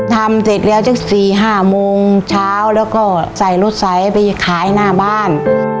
ทำสิร์ฯซีห้ามงเช้าและใส่รถไสกับขายหน้าบ้าน